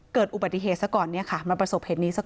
เกิดอุปัจจิเฮศซะก่อนมาประสบเหตุนี้